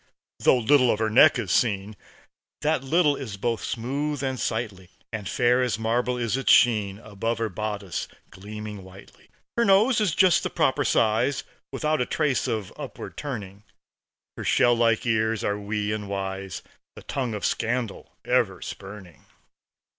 Though little of her neck is seen, That little is both smooth and sightly; And fair as marble is its sheen Above her bodice gleaming whitely. Her nose is just the proper size, Without a trace of upward turning. Her shell like ears are wee and wise, The tongue of scandal ever spurning.